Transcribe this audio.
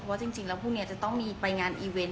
ว่าจริงแล้วพรุ่งนี้จะต้องมีไปงานอีเวนต์